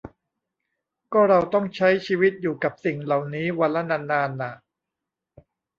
ก็เราต้องใช้ชีวิตอยู่กับสิ่งเหล่านี้วันละนานนานน่ะ